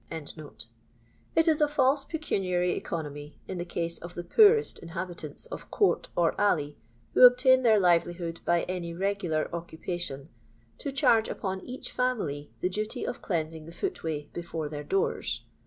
]" It ia a fidae pecuniarj economy, in the case of the poorest in habitants of court or alley, who obtain their liveli hood by any regular occupation, to charge upon each family the duty of cleansing the footway before their doors.